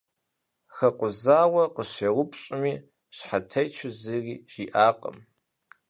Хэкъузауэ къыщеупщӏми, щхьэтечу зыри жиӏакъым.